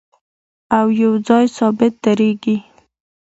او یو ځای ثابت درېږي